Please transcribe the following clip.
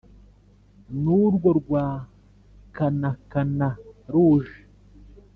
N'urwo rwakanakana ruje!